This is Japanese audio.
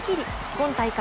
今大会